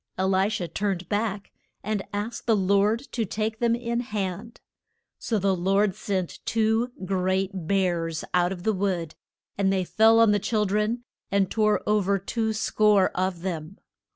E li sha turned back, and asked the Lord to take them in hand. So the Lord sent two great bears out of the wood, and they fell on the chil dren and tore o ver two score of them.